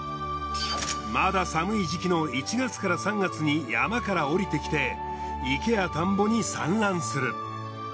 まだ寒い時期の１月から３月に山から下りてきて池や田んぼに産卵する。